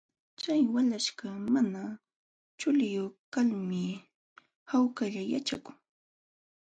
Chay walaśhkaq mana chuliyuq kalmi hawkalla yaćhakun.